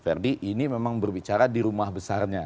jadi ini memang berbicara di rumah besarnya